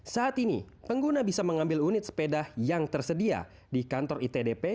saat ini pengguna bisa mengambil unit sepeda yang tersedia di kantor itdp